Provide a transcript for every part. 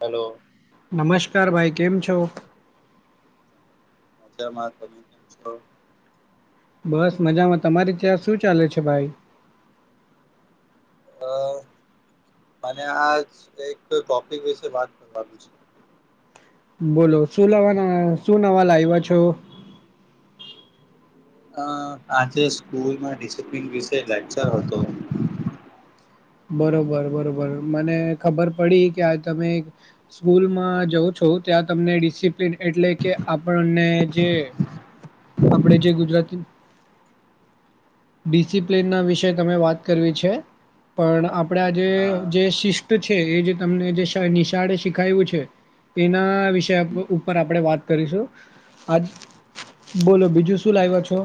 Hello નમસ્કાર ભાઈ કેમ છો મજા મા તમે કેમ છો બસ મજામાં તમારી ત્યાં શું ચાલે છે ભાઈ અ મને આજ એક ટોપિક વિશે વાત કરવુ છે બોલો શું લવા ના શું નવા લાવ્યા છો અ આજે સ્કૂલમાં ડિસપ્લન વિષ લેક્ચર હતો બરોબર બરોબર મને ખબર પડી કે આ તમે સ્કૂલમાં જાઉ છો ત્યાં તમને ડિસિપ્લીન એટલે કે આપણને જે આપડે જે ગુજરાતી ડિસિપ્લિનના વિશે તમે વાત કરવી છે પણ આપણે આ જે હા. જે શિસ્ત છે એ જે તમને જે નિશાળે શીખાયું છે એના વિષય હમ. ઉપર આપણે વાત કરીશું આજ બોલો બીજું શું લાવ્યો છો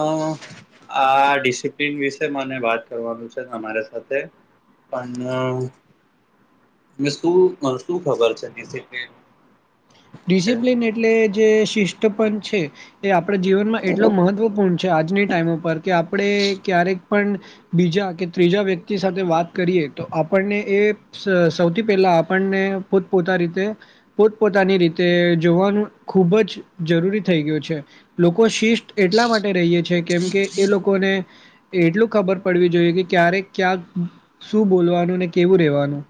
અ આ ડિસપ્લન વિશે મને વાત કરવાનું છે તમારે સાથે [unintelligible] તમને શું ખબર છે ડિસિપ્લિન ડિસિપ્લન એટલે જે શિષ્ટપણ છે એ આપણા જીવનમાં એટલો મહત્ત્વપૂર્ણ છે આજની ટાઈમ ઉપર કે આપણે ક્યારેક પણ બીજા કે ત્રીજા વ્યક્તિ સાથે વાત કરીએ તો આપણને એ સૌથી પહેલા આપણને પોતપોતા રીતે પોતપોતાની રીતે તે જોવાનું ખૂબ જ જરૂરી થઈ ગયું છે લોકો શિષ્ટ એટલા માટે રહીએે છે કેમ કે એ લોકોને એટલું ખબર પડવી જોઈએ કે ક્યારે ક્યાંક શું બોલવાનું ને કેવું રેવાનું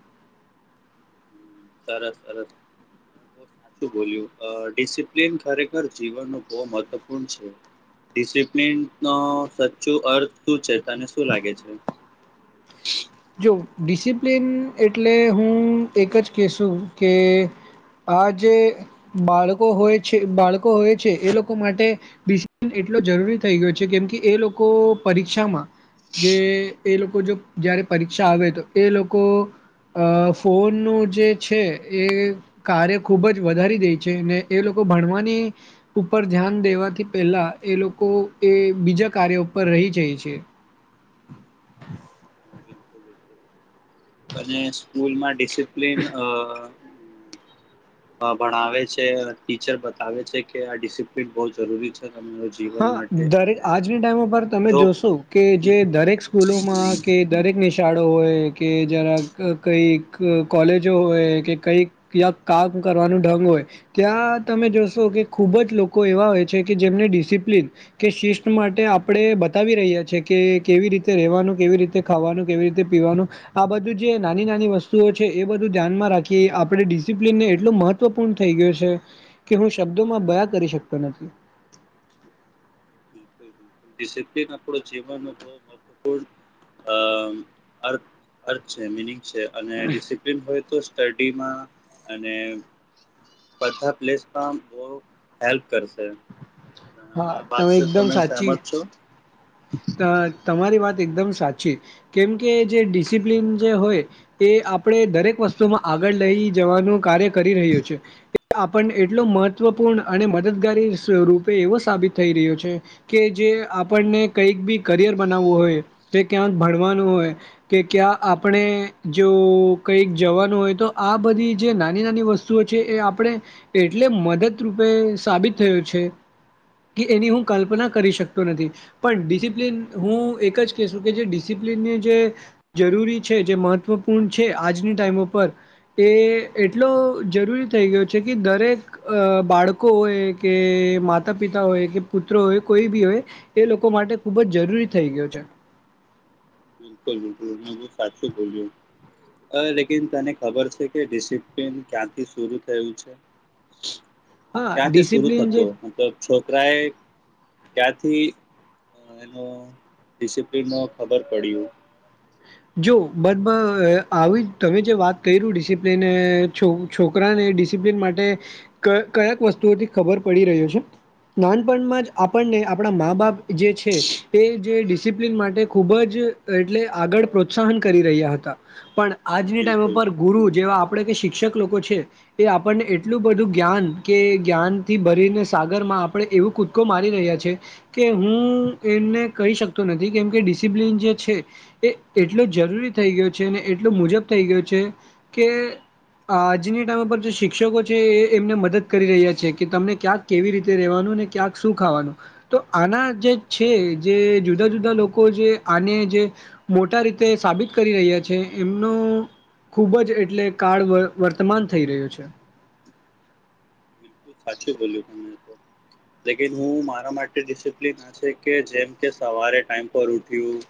સરસ સરસ સાચું બોલ્યું ડિસિપ્લિન ખરેખર જીવન ન બહ મહત્વપૂર્ણ છે ડિસિપ્લિનનો સાચ્ચું અર્થ શું છે તને શું લાગે છે જો ડિસિપ્લિન એટલે હું એક જ કહેશું કે આ જે બાળકો હોય છે બાળકો હોય છે એ લોકો માટે વિશ એટલો જરૂરી થઈ ગયો છે કેમ કે એ લોકો પરીક્ષામાં જે એ લોકો જો જયારે પરીક્ષા આવે તો એ લોકો અ ફોનનું જે છે એ કાર્ય ખુબ જ વધારી દે છે ને એ લોકો ભણવાની ઉપર ધ્યાન દેવાથી પહેલાં એ લોકો એ બીજા કાર્ય ઉપર રહી જાય છે અને સ્કૂલમાં ડિસિપ્લન અ [inaudible] ભણાવે છે અને ટીચર બતાવે છે કે આ ડિસિપ્લિન બહ જરૂરી છે ત હા દરે આજની ટાઈમ પર તમે જો જોશો કે જે દરેક સ્કૂલોમાં કે દરેક નિશાળો હોય કે જરા કઈક કોલેજો હોય કે કંઈક ત્યાં કામ કરવાનું ઢંગ હોય. ત્યાં તમે જોશો કે ખુબ જ લોકો એવા હોય છે કે જેમને ડિસિપ્લિન કે શિસ્ટ માટે આપણે બતાવી રહ્યા છીએ કે કેવી રીતે રહેવાનું, કેવી રીતે ખાવાનું, કેવી રીતે પીવાનું આ બધું જે નાની-નાની વસ્તુઓ છે એ બધું ધ્યાનમાં રાખીયે આપણે ડિસિપ્લિનને એટલું મહત્વ મહત્વપૂર્ણ થઈ ગયું છે કે હું શબ્દોમાં બયા કરી શકતો નથી. બિલકુલ [inaudible] ડિસિપ્લિન આપડું જીવનન કો મહત્વપૂર્ણ અ અર્થ અર્થ છે. મિનિંગ છે અને ડિસિપ્લિન ડિસિપ્લિન હોય તો જ સ્ટડીમાં અને પધા પ્લેસમાં આમ થોડુંક હેલ્પ કરશે. હા આ વાત તમે તો એકદમ સાચી સહેમત છો ત તમારી વાત એકદમ સાચી. કેમ કે જે ડિસિપ્લિન જે હોય એ આપણે દરેક વસ્તુમાં આગળ લઈ જવાનું કાર્ય કરી રહ્યો છે. એ આપણને એટલો મહત્વપૂર્ણ અને મદદગારી સ્વરૂપ આપે એવો સાબિત થઈ રહ્યો છે. કે જે આપણને કઈક બી કરિયર બનાવવું હોય કે ક્યાંક ભણવાનું હોય. કે ક્યાં આપણે જો કઈક જવાનું હોય તો આ બધી જે નાની-નાની વસ્તુ તુઓ છે એ આપણે એટલે મદદરૂપે સાબિત થયો છે. કે એની હું કલ્પના કરી શકતો નથી. પણ ડિસિપ્લિન હું એક જ કહેશું કે જે ડિસિપ્લિનની જે જરૂરી છે. જે મહત્વપૂર્ણ છે આજની ટાઈમ ઉપર. એ એટલો જરૂરી થઈ ગયો છે કે દરેક અ બાળકો હોય કે માતા માતા પિતા હોય કે પુત્ર હોય કોઈ બી હોય એ લોકો માટે ખૂબ જ જરૂરી થઈ ગયો છે. બિલકુક-બિલકુલ તમે સાચું બોલિયું. અ લેકિન તને ખબર છે કે ડિસિપ્લિન ક્યાંથી શરુ થયેલું છે. હા ડિસિપ્લિન જે છોકરાએ ક્યાંથી એનો ડિસિપ્લિનનું ખબર પડ્યું. જો બધ આવી તમે જે વાત કર્યું ડિસિપ્લિન છો. છોકરાને ડિસિપ્લિન માટે ક ક્યાક વસ્તુઓથી ખબર પડી રહ્યો છે. નાનપણમાં જ આપણને આપણા મા બાપ જે છે એ જે ડિસિપ્લિન માટે હમ, ખૂબ જ એટલે આગળ પ્રોત્સાહન કરી રહ્યા હતા. પણ આજની ટાઈમ બિલકુલ ઉપર ગુરુ જેવા આપણે કે શિક્ષક લોકો છે. તે આપણને એટલું બધું જ્ઞાન કે જ્ઞાન થી ભરીને સાગરમાં આપડણે એવું કું કૂદકો મારી રહ્યા છે. કે હું એમને કહી શકતો નથી કેમ કે ડિસિપ્લિન જે છે એ એટલો જરૂરી થઈ ગયો છે એટલો મુજબ થઈ ગયો છે કે આજની ટાઈમ ઉપર જે શિક્ષકો છે એ એમને મદદ કરી રહ્યા છે કે તમને ક્યાંક કેવી રીતે રેવાનું ને ક્યાંક શું ખાવાનું. તો આના જે છે જે જુદા જુદા લોકો જે આને જે મોટા રીતે સાબિત કરી રહ્યા છે એમનો ખૂબ જ એટલે કાળ વર્તમાન થઈ રહ્યું છે ખૂબ સાચુ બોલ્યું તમે તો લેકિન હું મારા માટે ડિસિપ્લિન છેકે જેમ કે સવારે ટાઈમ પર ઉઠ્યું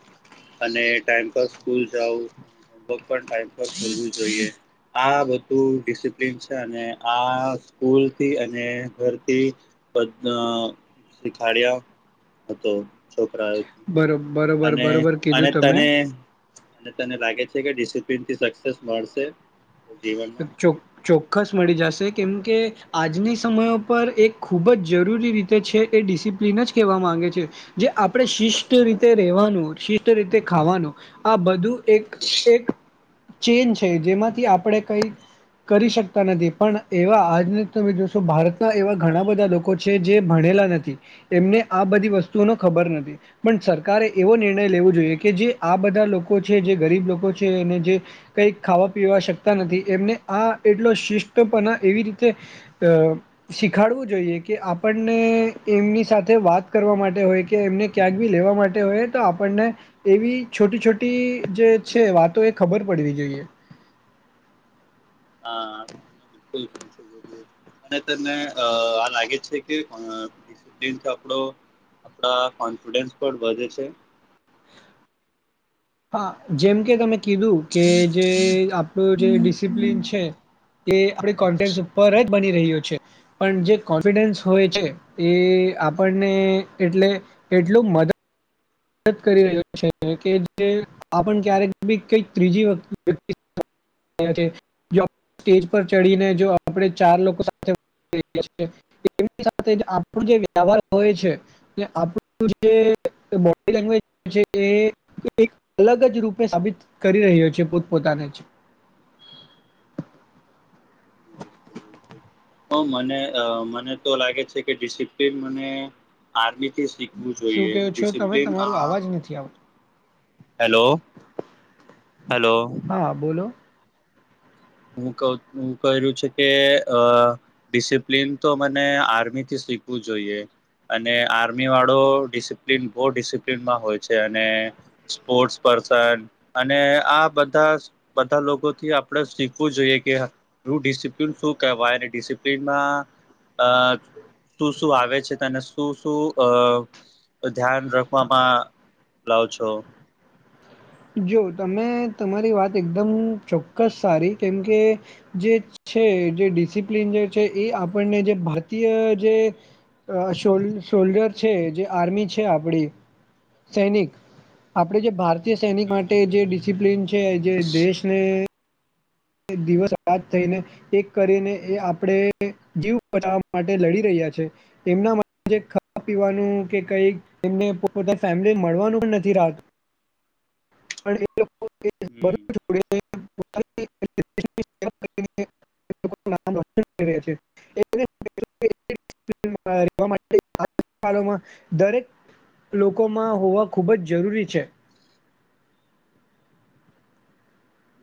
અને ટાઈમ પર સ્કૂલ જાઓ અને હોમવર્ક પણ ટાઈમ પર કરવું જોઈએ. આ બધું ડિસિપ્લિન છે અને આ સ્કૂલ તે અને ઘરથી બધા અ શિખાડિયા. તો છોકરાએ બરોબ બરર અને આ તને લાગે ડિસિપ્લિનથી સક્સેસ મળશે જીવનમાં પઇ્છુક ચોક્કસ મળી જશે કેમ કે આજની સમય પર એ ખૂબ જ જરૂરી રીતે છે. એ ડિસિપ્લિન જ કહેવા માગે છે જે આપણે શિસ્ત રીતે રેવાનું શિસ્ત રીતે ખાવાનું આ બધું એક એક ચેન છે જેમાંથી આપણે કઈ ક કરી શકતા નથી પણ એવા આજને તમે જોશો ભારતના એવા ઘણા બધા લોકો છે જે ભણેલા નથી એમને આ બધી વસ્તુઓનો ખબર નથી પણ સરકારે એવો નિર્ણય લેવો જોઈએ કે જે આ બધા લોકો છે જે ગરીબ લોકો છે જે કઈ ખાવા પીવા શકતા નથી એમને આ એટલો સિસ્ટપના એવી રીતે તો શીખાડવું જોઈએ કે આપણને એમની સાથે વાત કરવા માટે હોય કે એમને ક્યાંક બી લેવા માટે હોયએ તો આપણને એવી છોટી છોટી જે છે વાતો એ ખબર પડવી જોઈએ હા હમ અને તને અ આ લાગે છે અ ડિસિપ્લિનથી આપડો આપડા કોન્ફિડન્સ પણ વધે છે હા જેમ કે તમે કીધું કે જે આપણું જે ડિસિપ્લન છે એ આપડી કોન્ટેન્ટ ઉપર જ બની રહ્યો છે. પણ જે કોન્ફિડન્સ હોય છે એ આપણને એટલે એટલું મદદ કરી રહ્યો છે કે જે આપણ ક્યારેક બી કઈક ત્રીજી [unintelligible] વતતિ [unintelligible] સ્ટેજ પર ચડીને જો આપણે ચાર લોકો સાથે [inaudible] એની [unintelligible] સાથે આપણો જે વ્યવહાર હોય છે કે આપણું જે ્ [unintelligible] જ એક અલગ જ રૂપે સાબિત કરી રહ્યો છે પોત પોતાને જ બિલકુલ બિલકુલ મને મને તો લાગે છે કે ડિસિપ્લિન મને આર્મીથી શું જોઈએ કહો છો તમે ડિસિપ્લિન અ તમારો અવાજ નથી આવતો હેલો હેલો હા બોલો હું ક હું ક્યું છે કે અ ડિસિપ્લિન તો મને આર્મીથી શીખવું જોઈએ અને આર્મી વાળો ડિસિપ્લિન બહુ ડિસિપ્લિનમાં હોય છે અને સ્પોર્ટસ પર્સન અને આ બધા બધા લોકોથી આપણે જોઈએ કે રું ડિસિપ્લિન શું કહેવાય અને ડિસિપ્લિનમાં શું શું આવે છે તેને શું શું અ ધ્યાન રાખવામાં બ્લાઉ છો જો તમે તમારી વાત એકદમ ચોક્કસ સારી કેમકે જે છે જે ડિડિપ્લિન જે છે એ આપણને જે ભારતીય જે શો [unintelligible] શોલ્ડર છે જે આર્મી છે આપડી સૈનિક આપણે જે હમ ભારતીય સૈનિક હમ માટે જે હમ ડિસિપ્લિન છે જે દેશને દિવસ રાત થઈને એક કરીને એ આપણેે જીવ બચાવવા માટે લડી રહ્યા છે. એમના માટે ખાવા પીવાનું કે કઈક એને પોતા ફેમિલી મળવાનું પણ નથી રાત હમ [unintelligible] ર [unintelligible] વા માટેળમાં દરેક લોકોમાં હોવા ખૂબ જ જરૂરી છે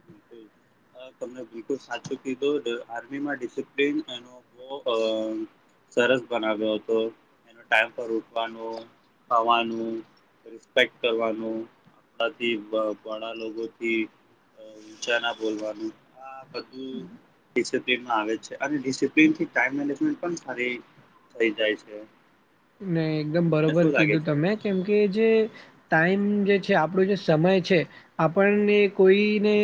બિલકુલ તમને બિલકુલ સાચું કીધું આર્મીમાં ડિસપ્લન એનો ખૂબ સરસ બનાવયુ હતો ટાઈમ પર ઉઠવાનું ખાવાનું રિસ્પેક્ટ કરવાનું આપડાથી બડા લોકોથી ઉંચા ના બોલવાનું આ બધું ડિસપ્લનમાં આવે છે અને ડિસિપ્લિન થી ટાઈમ મેન્જમેન્ટ પણ સારી રીતે થઈ જાય છે. ને એકદમ અને બરોબર શું લાગે કીધું છે તમે કેમકે જે ટાઈમ જે છે આપણો જે સમય છે. આપણને કોઈને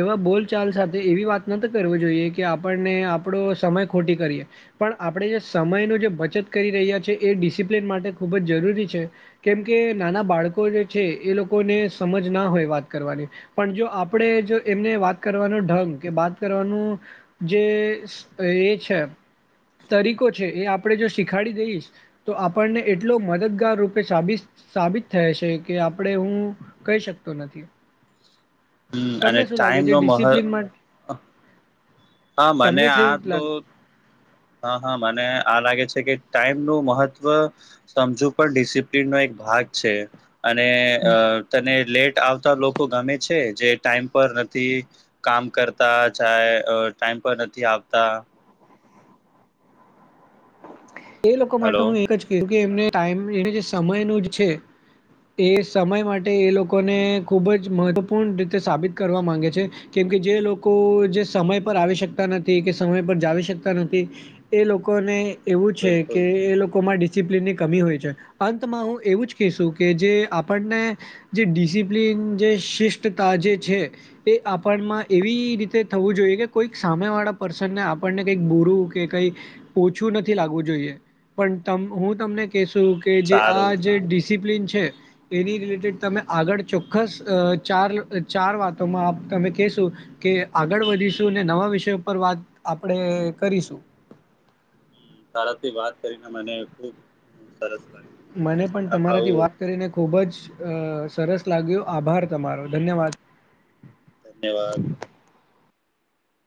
એવા બોલચાલ સાથે એવી વાત ન કરવી જોઈએ કે આપણને આપણો સમય ખોટી કરીએ પણ આપણે જે સમય નો જે બચત કરી રહ્યા છે એ ડિસિપ્લિન માટે ખૂબ જ જરૂરી છે. કેમ કે નાના બાળકો જે છે એ લોકોને સમજ ના હોય વાત કરવાની પણ જો આપણેે જો એમને વાત કરવાનો ઢંગ કે વાત કરવાનું જે એ છે તરીકો છે એ આપણેે જો શીખાડી દઈશ તો આપણને એટલો મદદગાર રૂપે સાબિત સાબિત થાય છે કે આપણે હું કહી શકતો નથી હમ અને તમને શું લાગે ટાઈમ છે નો મહ ડિસિપ્લિન માટે હા મને તમને શ આ તો હા હા મને આ લાગે છે કે ટાઈમ નું મહત્ત્વ સમજુ પણ ડિસિપ્લિન નો એક ભાગ છે અને અ લાગે તને લેટ આવતા લોકો ગમે છે જે ટાઈમ પર નથી કામ કરતા જાય ટાઈમ પર નથી આવતા એ લોકો માટે હલો હું એક જ કું કે એમને ટાઈમ એ જે સમય નું જ છે એ સમય માટે એ લોકોને ખૂબ જ મહત્વપૂર્ણ રીતે સાબિત કરવા માંગે છે. કેમકે જે લોકો જે સમય પર આવી શકતા નથી કે સમય પર જાવી શકતા નથી એ લોકો ને એવું છે બિલકુલ કે હમ. એ લોકો માં ડિસિપ્લનની કમી હોય છે અંતમાં હું એવું જ કહીશું કે જે આપણને જે ડિસિપ્લિન જે શિષ્ટતા જે છે એ આપણમાં એવી રીતે થવું જોઈએ કે કોઈક સામે વાળા પર્સનને આપણને કંઈક બોરું કે કઈ ઓછું નથી લાગવું જોઈએ પણ હું તમને કેશું કે જે આ સારું હમ, જે ડિસિપ્લન છે એની રિલેટેડ તમે આગળ ચોક્કસ ચાર ચાર વાતોમાં આપ તમે કેશો કે આગળ વધીશું નવા વિષય પર વાત આપણે કરીશું તળાથી વાત કરીને મને ખુબ સરસ લાગ્યું. ઠીક મને છે પણ આપડા તમારાથી વાત કરીને ખુબ જ સરસ લાગ્યું આભાર તમારો ધન્યવાદ. ધન્યવાદ.